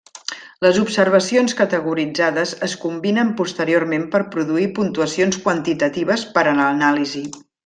Les observacions categoritzades es combinen posteriorment per produir puntuacions quantitatives per a l'anàlisi.